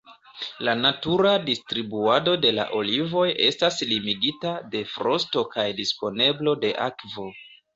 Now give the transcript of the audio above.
La natura distribuado de la olivoj estas limigita de frosto kaj disponeblo de akvo.